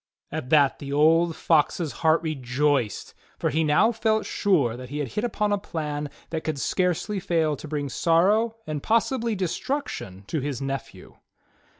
At that the old Fox's heart rejoiced, for he now felt sure that he had hit upon a plan that could scarcely fail to bring sorrow, and possibly destruction, to his nephew.